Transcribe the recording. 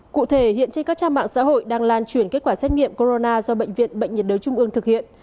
cụ thể hiện trên các trang mạng xã hội đang lan chuyển kết quả xét nghiệm corona do bệnh viện bệnh nhiệt đới trung ương thực hiện